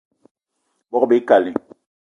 Bogb-ikali